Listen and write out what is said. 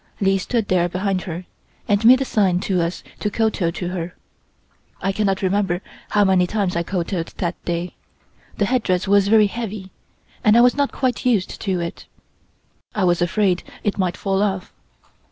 Li stood there behind her and made a sign to us to kowtow to her. I cannot remember how many times I kowtowed that day. The headdress was very heavy, and I was not quite used to it; I was afraid it might fall off.